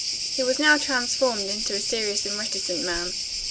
He was now transformed into a serious and reticent man.